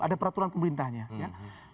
ada peraturan pemerintahnya ya